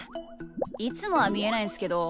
いつもはみえないんすけど。